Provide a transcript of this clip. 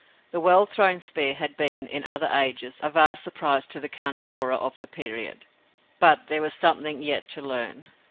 The well thrown spear had been, in other ages, a vast surprise to the carnivora of the period, but there was something yet to learn.